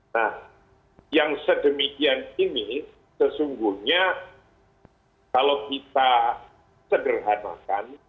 nah yang sedemikian ini sesungguhnya kalau kita sederhanakan